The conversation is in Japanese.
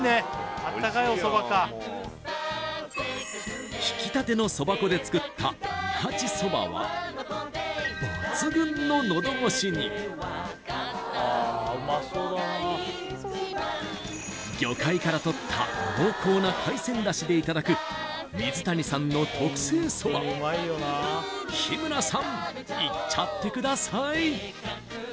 あったかいおそばかひきたてのそば粉で作った二八そばは抜群ののどごしに魚介からとった濃厚な海鮮出汁でいただく水谷さんの特製そば日村さんいっちゃってください